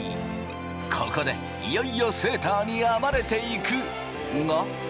ここでいよいよセーターに編まれていくが。